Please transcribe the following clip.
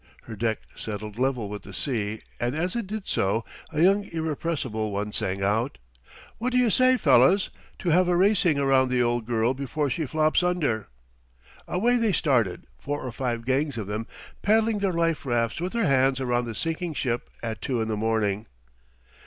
Her deck settled level with the sea, and as it did so a young irrepressible one sang out: "What do you say, fellows, to having a race around the old girl before she flops under?" Away they started, four or five gangs of them, paddling their life rafts with their hands around the sinking ship at two in the morning.